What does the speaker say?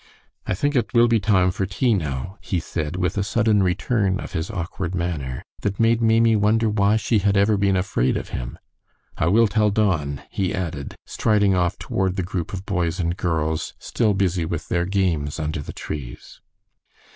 "I think it will be time for tea now," he said, with a sudden return of his awkward manner, that made Maimie wonder why she had ever been afraid of him. "I will tell Don," he added, striding off toward the group of boys and girls, still busy with their games under the trees.